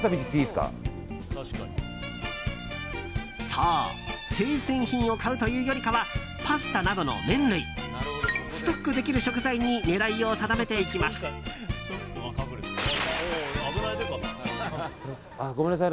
そう生鮮品を買うというよりかはパスタなどの麺類ストックできる食材に狙いを定めていきます。